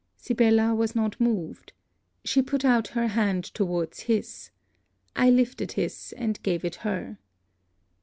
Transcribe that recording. Sibella was not moved. She put out her hand towards his; I lifted his, and gave it her.